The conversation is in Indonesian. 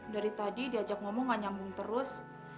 dari tadi diajak ngomong gak nyambung terus